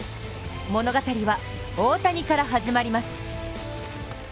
物語は大谷から始まります。